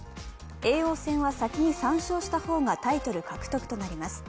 叡王戦は先に３勝した方がタイトル獲得となります。